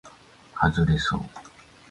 はずれそう